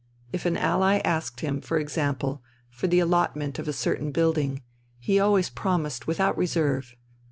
If an Ally asked him, for example, for the allotment of a certain building, he always promised without reserve.